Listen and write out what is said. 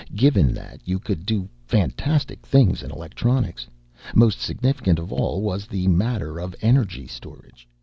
Given that, you could do fantastic things in electronics. Most significant of all was the matter of energy storage.